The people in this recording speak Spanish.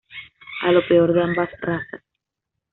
A lo peor de ambas razas.